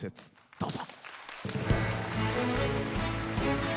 どうぞ。